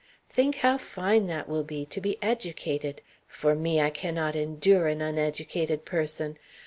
Think how fine that will be to be educated! For me, I cannot endure an uneducated person.